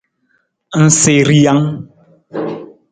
Ng sii rijang.